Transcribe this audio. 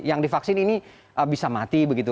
yang divaksin ini bisa mati begitu